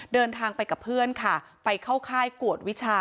เดินทางไปกับเพื่อนค่ะไปเข้าค่ายกวดวิชา